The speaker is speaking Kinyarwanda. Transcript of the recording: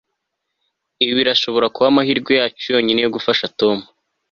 ibi birashobora kuba amahirwe yacu yonyine yo gufasha tom